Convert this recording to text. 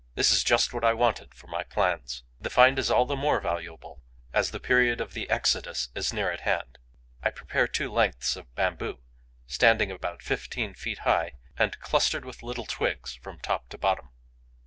This is just what I wanted for my plans. The find is all the more valuable as the period of the exodus is near at hand. I prepare two lengths of bamboo, standing about fifteen feet high and clustered with little twigs from top to bottom.